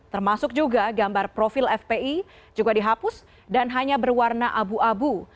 termasuk juga gambar profil fpi juga dihapus dan hanya berwarna abu abu